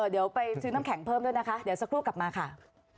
เดี๋ยวไปซื้อน้ำแข็งเพิ่มด้วยนะคะเดี๋ยวสักครู่กลับมาค่ะ